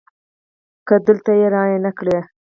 که دلته يي رانه کړ